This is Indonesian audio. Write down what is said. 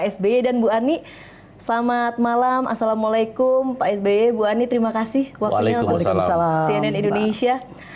sby bu ani terima kasih waktunya untuk berkata salam cnn indonesia